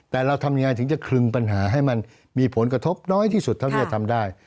แต่เราทำยังไงถึงจะคลึงปัญหาให้มันมีผลกระทบน้อยที่สุดเท่าที่จะทำได้